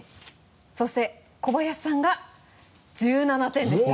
そして小林さんが１７点でした。